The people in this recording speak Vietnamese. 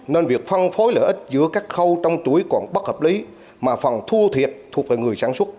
nên việc phân phối lợi ích giữa các khâu trong chuỗi còn bất hợp lý mà phần thu thiệt thuộc về người sản xuất